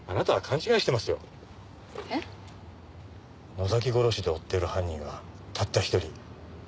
能崎殺しで追っている犯人はたった一人。